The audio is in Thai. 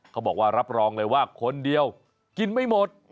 เขาบอกว่ารับรองเลยว่าคนเดียวกินไม่หมด